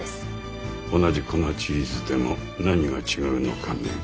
同じ粉チーズでも何が違うのかね？